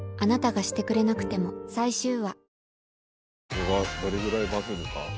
これはどれぐらいバズるか。